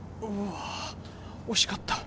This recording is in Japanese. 惜しかった。